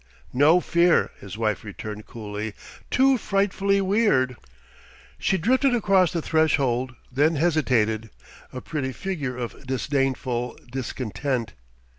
"No fear," his wife returned coolly. "Too frightfully weird...." She drifted across the threshold, then hesitated, a pretty figure of disdainful discontent.